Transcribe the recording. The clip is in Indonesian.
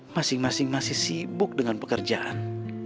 masing masing masih sibuk dengan pekerjaan